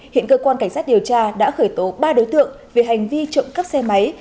hiện cơ quan cảnh sát điều tra đã khởi tố ba đối tượng về hành vi trộm cắp xe máy